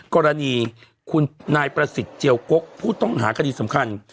กรณีคุณนายประสิทธิ์เจียวกกผู้ต้องหาคดีสำคัญ